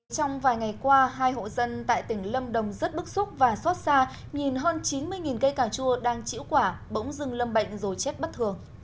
trong vài ngày qua hai hộ dân tại tỉnh lâm đồng rất bức xúc và xót xa nhìn hơn chín mươi cây cà chua đang chĩu quả bỗng dưng lâm bệnh rồi chết bất thường